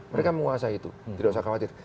mereka menguasai itu tidak usah khawatir